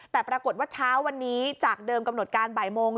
แต่ปรากฏว่าเช้าวันนี้จากเดิมกำหนดการบ่ายโมง